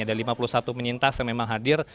ada lima puluh satu penyintas yang memang hadir